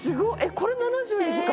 これ７２時間？